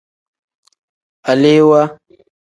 Alewaa.